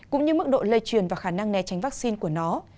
cũng như mức độ lây truyền và khả năng né tránh vaccine của nó